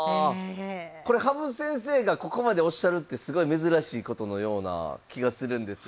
これ羽生先生がここまでおっしゃるってすごい珍しいことのような気がするんですが。